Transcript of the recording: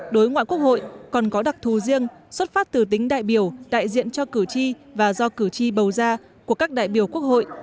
đối ngoại quốc hội còn có đặc thù riêng xuất phát từ tính đại biểu đại diện cho cử tri và do cử tri bầu ra của các đại biểu quốc hội